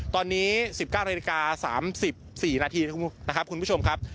ตอนนี้๑๙นาฬิกา๓๔นาทีนะครับคุณผู้ชมครับ